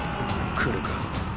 来るか。